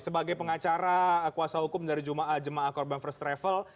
sebagai pengacara kuasa hukum dari jemaah jemaah korban first travel